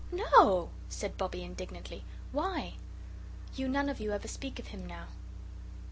"NO," said Bobbie, indignantly. "Why?" "You none of you ever speak of him now."